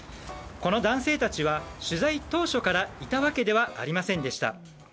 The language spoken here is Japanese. この男性たちは取材当初からいたわけではありませんでした。